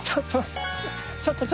ちょっと！